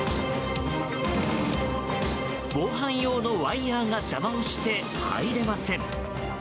防犯用のワイヤが邪魔をして入れません。